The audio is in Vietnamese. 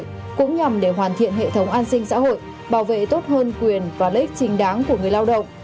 cũng nhằm để hoàn thiện hệ thống an sinh xã hội bảo vệ tốt hơn quyền và lợi ích chính đáng của người lao động